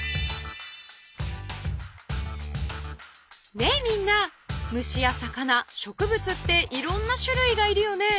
ねえみんな虫や魚植物っていろんなしゅるいがいるよね。